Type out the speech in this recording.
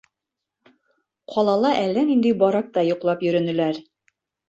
Ҡалала әллә ниндәй баракта йоҡлап йөрөнөләр.